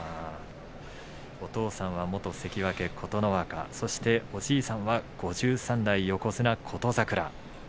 お父さんは元関脇琴ノ若おじいさんが５３代横綱琴櫻